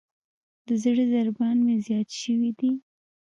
د زړه ضربان مې زیات شوئ دی.